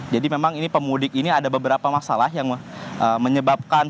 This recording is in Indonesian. jadi memang ini pemudik ini ada beberapa masalah yang menyebabkan